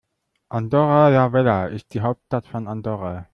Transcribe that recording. Andorra la Vella ist die Hauptstadt von Andorra.